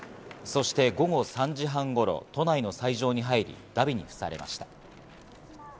そして午後３時半頃、都内の斎場に入り、荼毘に付されました。